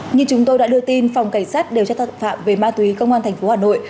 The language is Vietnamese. như chúng tôi đã đưa tin phòng cảnh sát điều tra tội phạm về ma túy công an tp hà nội